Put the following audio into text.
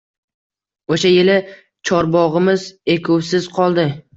Oʻsha yili chorbogʻimiz ekuvsiz qoldi.